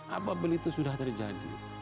apa yang sudah terjadi